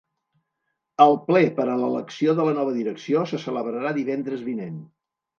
El ple per a l’elecció de la nova direcció se celebrarà divendres vinent.